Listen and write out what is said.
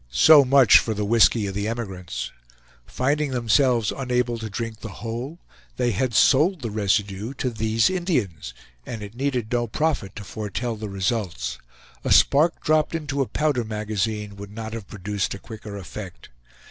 So much for the whisky of the emigrants! Finding themselves unable to drink the whole, they had sold the residue to these Indians, and it needed no prophet to foretell the results; a spark dropped into a powder magazine would not have produced a quicker effect.